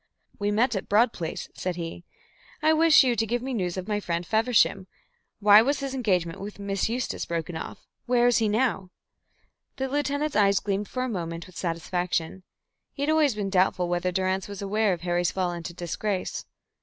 "We met at Broad Place," said he. "I wish you to give me news of my friend Feversham. Why was his engagement with Miss Eustace broken off? Where is he now?" The lieutenant's eyes gleamed for a moment with satisfaction. He had always been doubtful whether Durrance was aware of Harry's fall into disgrace.